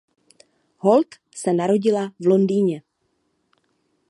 Holt se narodila v Londýně.